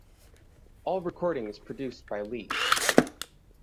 All recordings produced by Lee.